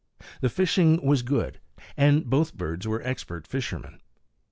The fishing was good, and both birds were expert fishermen.